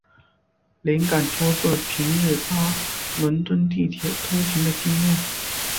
灵感出自平日搭伦敦地铁通勤的经验。